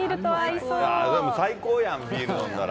最高やん、ビール飲んだら。